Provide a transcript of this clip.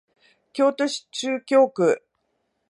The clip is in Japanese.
京都市中京区